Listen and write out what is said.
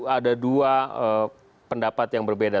ada dua pendapat yang berbeda